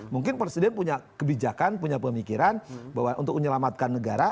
mungkin presiden punya kebijakan punya pemikiran bahwa untuk menyelamatkan negara